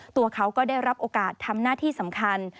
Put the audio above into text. ตัวเขาก็ได้รับโอกาสทำหน้าที่สำคัญ